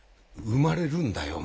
産まれるんだよ